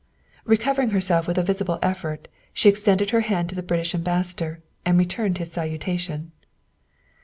Recovering herself with a visible effort, she ex tended her hand to the British Ambassador and returned his salutation.